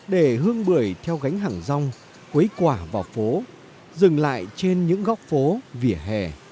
để hương bưởi theo gánh hàng rong quấy quả vào phố dừng lại trên những góc phố vỉa hè